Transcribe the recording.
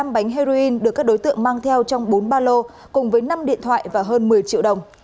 một trăm một mươi năm bánh heroin được các đối tượng mang theo trong bốn ba lô cùng với năm điện thoại và hơn một mươi triệu đồng